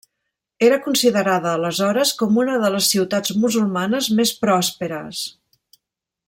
Era considerada aleshores com una de les ciutats musulmanes més pròsperes.